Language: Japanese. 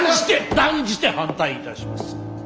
断じて反対いたします！